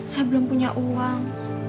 saya belum punya uang